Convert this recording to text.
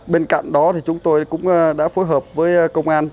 bên cạnh đó thì chúng tôi cũng đã phối hợp với công an